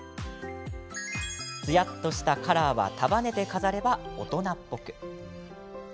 つやっとしたカラーは束ねて飾れば大人っぽく。